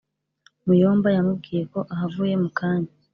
muyomba yamubwiyeko ahavuye mu kanya